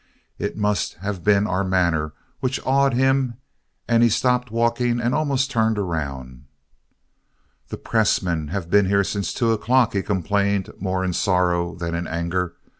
It must have been our manner which awed him and he stopped walking and almost turned around. "The press men have been here since two o'clock," he complained more in sorrow than in anger.